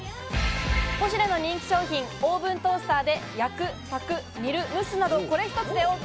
ポシュレの人気商品、オーブントースターで焼く、炊く、煮る、蒸すなどがこれ１つでＯＫ。